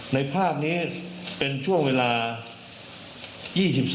ในภาพนี้เป็นช่วงเวลา๒๒